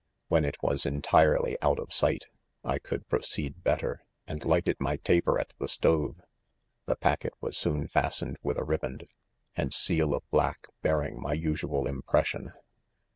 * When, it was entirely out of sight, I could proceed better 3 and lighted my .taper at the stove. c The packet was soon fastened with a rib and, and seal of Hack bearing' my usual im pression.